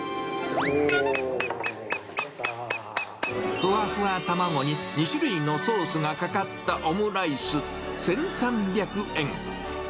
ふわふわ卵に２種類のソースがかかったオムライス１３００円。